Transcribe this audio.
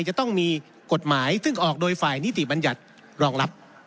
จะต้องมีกฎหมายซึ่งออกโดยฝ่ายนิติบัญญัติรองรับ